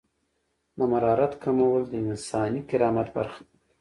د مرارت کمول د انساني کرامت برخه ده.